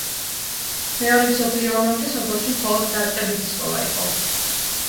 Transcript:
მეორე მსოფლიო ომამდე სოფელში მხოლოდ დაწყებითი სკოლა იყო.